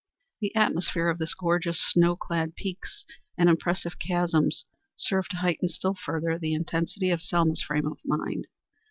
The atmosphere of the gorgeous snow clad peaks and impressive chasms served to heighten still further the intensity of Selma's frame of mind.